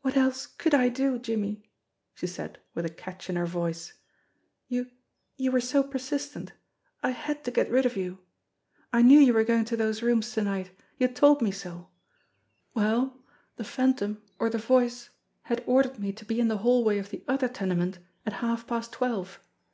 "What else could I do, Jimmie?" she said with a catch in her voice. "You you were so persistent. I had to get rid of you. I knew you were going to those rooms to night ^ 300 JIMMIE DALE AND THE PHANTOM CLUE you had told me so. Well, the Phantom, or the Voice, had ordered me to be in the hallway of the other tenement at half past twelve.